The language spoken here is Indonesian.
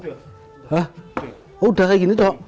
sudah kayak gini cok